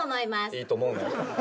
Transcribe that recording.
いいと思うなよ。